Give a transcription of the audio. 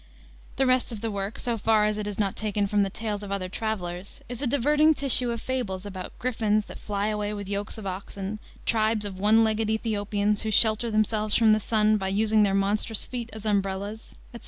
The rest of the work, so far as it is not taken from the tales of other travelers, is a diverting tissue of fables about gryfouns that fly away with yokes of oxen, tribes of one legged Ethiopians who shelter themselves from the sun by using their monstrous feet as umbrellas, etc.